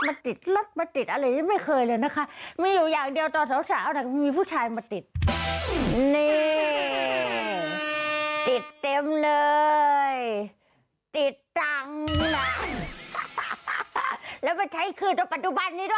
เปิดไปแล้วกูอาจจะเลยสัปดาห์หน้ามาเล่าความยืนหยังให้ฟังอีกเถอะ